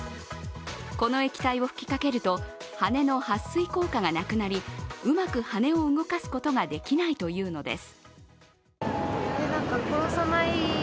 この液体を吹きかけると羽のはっ水効果がなくなりうまく羽を動かすことができないというのです。